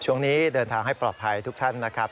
ช่วงนี้เดินทางให้ปลอดภัยทุกท่านนะครับ